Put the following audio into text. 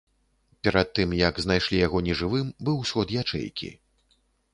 Перад тым, як знайшлі яго нежывым, быў сход ячэйкі.